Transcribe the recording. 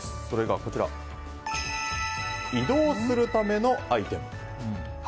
それが移動するためのアイテム。